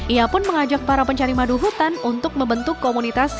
ia pun mengajak para pencari madu hutan untuk membentuk komunitas